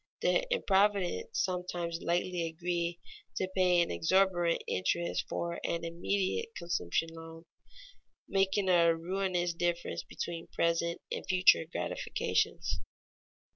The improvident sometimes lightly agree to pay an exorbitant interest for an immediate consumption loan, making a ruinous difference between present and future gratifications.